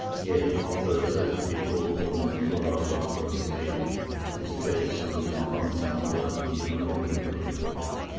Yet the judge before whom Flora was thus arraigned displayed some compunction towards the unhappy girl.